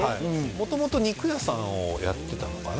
元々肉屋さんをやってたのかな？